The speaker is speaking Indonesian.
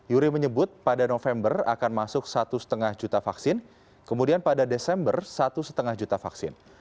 yuri menyebut pada november akan masuk satu lima juta vaksin kemudian pada desember satu lima juta vaksin